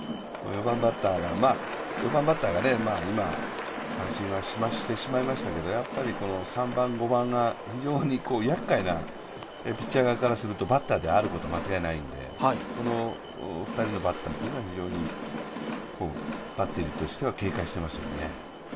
４番バッターが今、三振はしてしまいましたけど、３番、５番が非常にやっかいな、ピッチャー側からするとバッターであることは間違いないのでこの２人のバッターというのは非常にバッテリーとしては警戒していますよね。